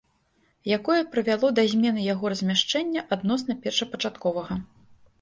Якое прывяло да змены яго размяшчэння адносна першапачатковага